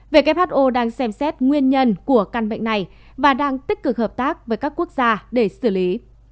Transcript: who đang xem xét nguyên nhân của căn bệnh này và đang tích cực hợp tác với các quốc gia để xử lý